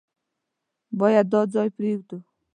بايد دا ځای پرېږدو.